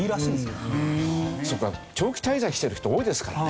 長期滞在してる人多いですからね。